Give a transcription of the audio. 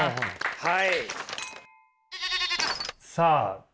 はい。